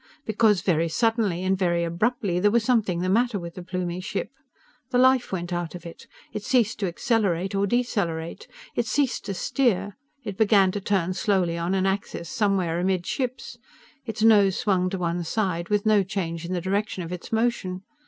Because, very suddenly and very abruptly, there was something the matter with the Plumie ship. The life went out of it. It ceased to accelerate or decelerate. It ceased to steer. It began to turn slowly on an axis somewhere amidships. Its nose swung to one side, with no change in the direction of its motion.